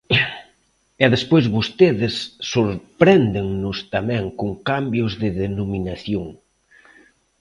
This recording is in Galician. E despois vostedes sorpréndennos tamén con cambios de denominación.